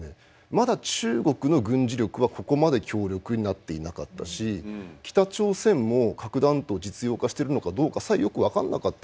まだ中国の軍事力はここまで強力になっていなかったし北朝鮮も核弾頭実用化してるのかどうかさえよく分かんなかった。